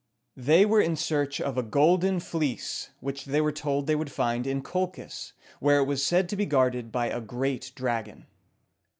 They were in search of a Golden Fleece, which they were told they would find in Col´chis, where it was said to be guarded by a great dragon.